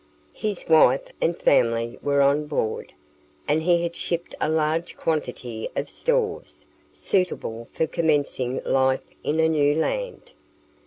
His wife and family were on board, and he had shipped a large quantity of stores, suitable for commencing life in a new land.